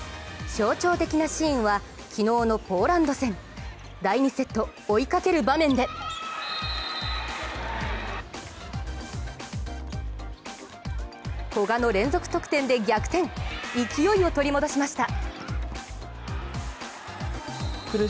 象徴的なシーンは、昨日のポーランド戦、第２セット追いかける場面で古賀の連続得点で逆転勢いを取り戻しました。